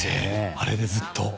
あれでずっと。